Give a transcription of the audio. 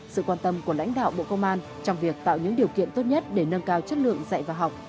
sự quan tâm của lãnh đạo bộ công an trong việc tạo những điều kiện tốt nhất để nâng cao chất lượng dạy và học